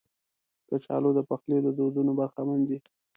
کچالو د پخلي له دودونو برخمن دي